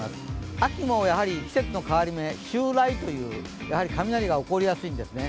秋もやはり季節の変わり目、秋雷という雷が起こりやすいんですね。